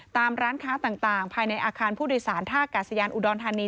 ตามร้านค้าต่างภายในอาคารผู้โดยสารท่ากาศยานอุดรธานี